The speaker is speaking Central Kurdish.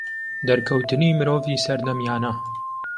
دەرکەوتنی مرۆڤی سەردەمیانە